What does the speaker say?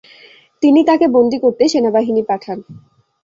তিনি তাকে বন্দি করতে সেনাবাহিনী পাঠান।